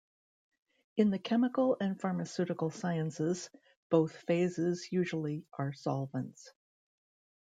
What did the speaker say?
In the chemical and pharmaceutical sciences, both phases usually are solvents.